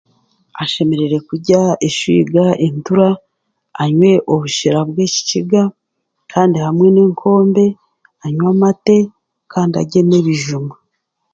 Ashemereire kurya eswiga obutura, anywe obushera bw'ekikiga, kandi hamwe n'enkombe, anywe amate kandi hamwe n'ebijuma.